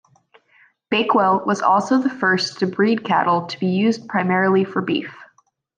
Bakewell was also the first to breed cattle to be used primarily for beef.